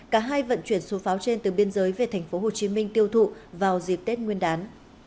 cả hai vận chuyển số pháo trên từ biên giới về tp hcm tiêu thụ vào dịp tết nguyên đán